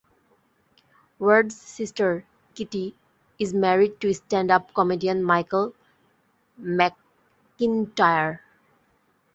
Ward's sister, Kitty, is married to stand-up comedian Michael McIntyre.